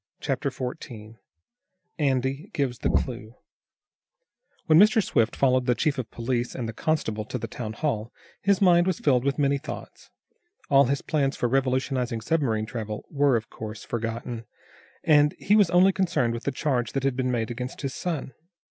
Chapter 14 Andy Gives The Clue When Mr. Swift followed the chief of police and the constable to the town hall his mind was filled with many thoughts. All his plans for revolutionizing submarine travel, were, of course, forgotten, and he was only concerned with the charge that had been made against his son.